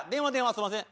すんません。